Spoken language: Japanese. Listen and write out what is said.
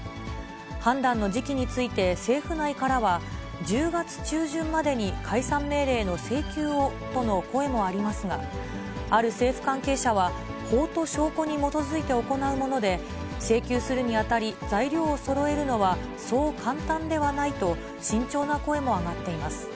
判断の時期について政府内からは、１０月中旬までに解散命令の請求をとの声もありますが、ある政府関係者は、法と証拠に基づいて行うもので、請求するにあたり材料をそろえるのはそう簡単ではないと、慎重な声も上がっています。